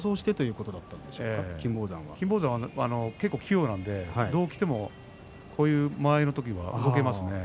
金峰山は結構、器用なのでこういう間合いの時は動けます。